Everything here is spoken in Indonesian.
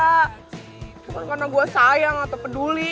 karena gue sayang atau peduli